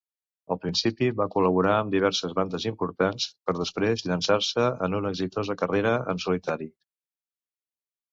Al principi va col·laborar amb diverses bandes importants, per després llançar-se en una exitosa carrera en solitari.